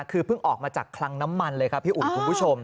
คือเพิ่งออกมาจากคลังน้ำมันเลยครับพี่อุ๋ยคุณผู้ชม